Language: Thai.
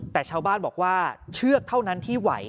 แต่ชาวบ้านบอกว่าเชือกเท่านั้นที่ไหว